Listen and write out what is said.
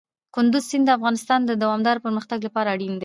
کندز سیند د افغانستان د دوامداره پرمختګ لپاره اړین دی.